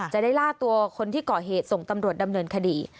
จะได้ล่าตัวคนที่ก่อเหตุส่งตำรวจดำเนินคดี